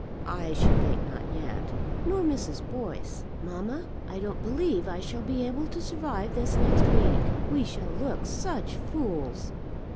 "I should think not yet." "Nor Mrs. Boyce! Mamma, I don't believe I shall be able to survive this next week. We shall look such fools!